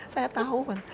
saya tahu mbak